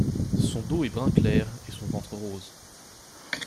Son dos est brun clair et son ventre rose.